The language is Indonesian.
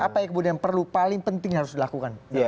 apa yang kemudian perlu paling penting harus dilakukan